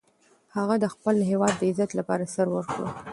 هغه د خپل هیواد د عزت لپاره سر ورکړ.